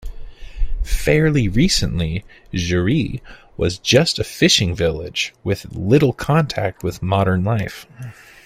Fairly recently, Jeri was just a fishing village with little contact with modern life.